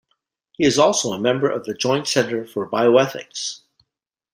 He is also a member of the Joint Centre for Bioethics.